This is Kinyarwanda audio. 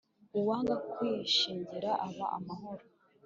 uwanga kwishingira aba amahoro